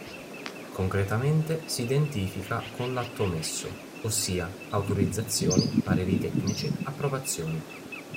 Concretamente si identifica con l'atto omesso, ossia: autorizzazioni, pareri tecnici, approvazioni.